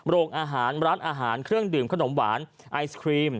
โรงอาหารร้านอาหารเครื่องดื่มขนมหวานไอศครีม